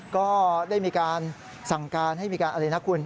ก็ได้มีการสั่งการให้มีการอะไรนะคุณ